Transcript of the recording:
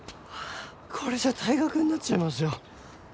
これじゃ退学になっちゃいますよ。